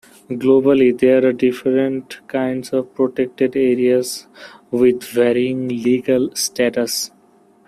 Globally, there are different kinds of protected areas with varying legal status.